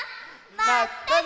まったね！